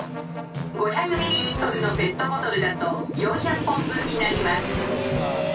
５００ミリリットルのペットボトルだと４００本分になります」。